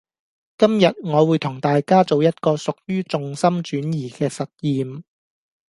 今日我會同大家做一個屬於重心轉移嘅實驗